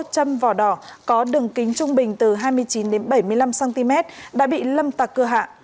trăm vỏ đỏ có đường kính trung bình từ hai mươi chín bảy mươi năm cm đã bị lâm tạc cơ hạ